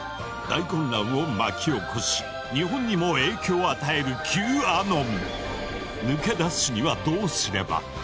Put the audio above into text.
大混乱を巻き起こし日本にも影響を与える抜け出すにはどうすれば？